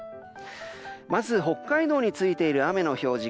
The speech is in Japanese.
まず北海道についている雨の表示